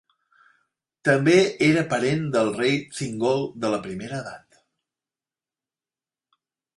També era parent del rei Thingol de la Primera Edat.